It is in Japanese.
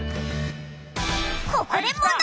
ここで問題！